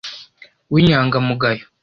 w’inyangamugayo